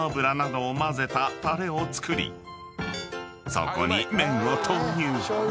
［そこに麺を投入］